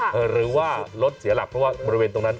หรือว่ารถเสียหลักเพราะว่าบริเวณตรงนั้น